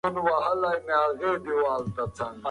خلک هره ورځ ډېره بوره خوري.